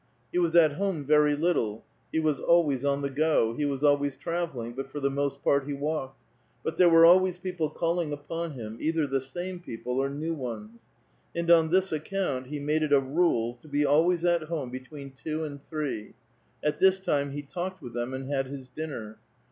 He was at home very little ; he was alwa3's on the go ; he was always travel ling^, but for the most part he walked. But there were Cilways people calling upon him ; either the same people, or new ones. And on this account, he made it a rule to be always at home between two and three ; at this time he t:alked with them and had his dinner.